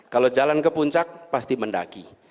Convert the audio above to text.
kalau jalan ke puncak pasti mendaki